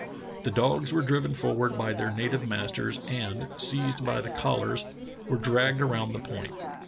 The dogs were driven forward by their native masters and, seized by the collars, were dragged around the point.